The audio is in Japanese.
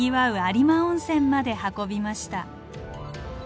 有馬温泉まで運びました。